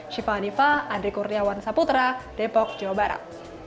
syifa hanifah andri kurniawan saputra depok jawa barat